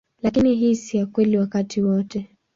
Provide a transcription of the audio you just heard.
Lakini hii si kweli wakati wote.